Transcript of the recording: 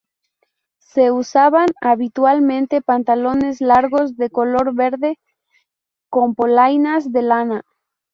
Se usaban habitualmente pantalones largos de color verde con polainas de lana.